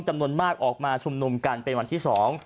จำนวนมากออกมาชุมนุมกันเป็นวันที่๒